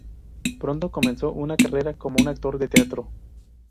Pronto comenzó una carrera como un actor de teatro.